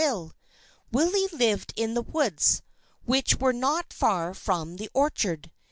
Willie lived in the woods, which were not far from the orchard.